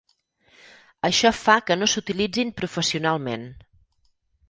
Això fa que no s'utilitzin professionalment.